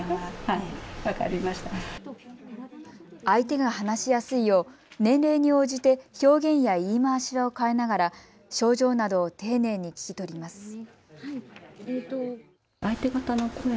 相手が話しやすいよう年齢に応じて表現や言い回しを変えながら症状などを丁寧に聞き取ります。